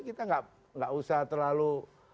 kita enggak usah terlalu